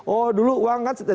oh dulu uang kan